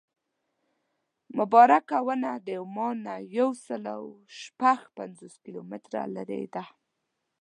مبارکه ونه د عمان نه یو سل او شپږ پنځوس کیلومتره لرې ده.